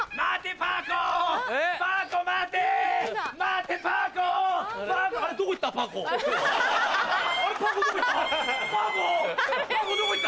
パー子どこ行った？